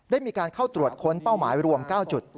ได้มีการเข้าตรวจค้นเป้าหมายรวม๙จุด